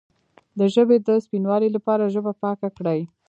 د ژبې د سپینوالي لپاره ژبه پاکه کړئ